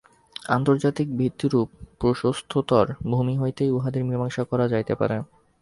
আন্তর্জাতিক ভিত্তিরূপ প্রশস্ততর ভূমি হইতেই উহাদের মীমাংসা করা যাইতে পারে।